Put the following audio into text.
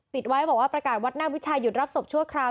ติดไว้บอกว่าประกาศวัดหน้าวิชายหยุดรับศพชั่วคราว